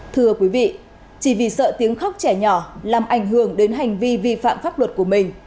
thưa quý vị chỉ vì sợ tiếng khóc trẻ nhỏ làm ảnh hưởng đến hành vi vi phạm pháp luật của mình